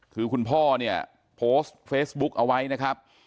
คือคุณพ่อเนี่ยโพสต์เฟซบุ๊กเอาไว้นะครับ